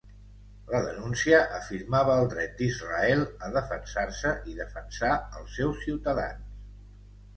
La denúncia afirmava el dret d'Israel a defensar-se i defensar als seus ciutadans.